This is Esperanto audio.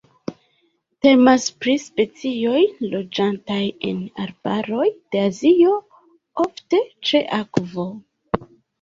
Temas pri specioj loĝantaj en arbaroj de Azio, ofte ĉe akvo.